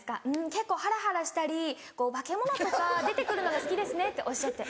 「結構ハラハラしたり化け物とか出て来るのが好きですね」っておっしゃって。